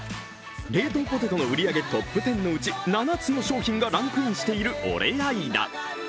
冷凍ポテトの売り上げトップ１０のうち７つの商品がランクインしているオレアイダ。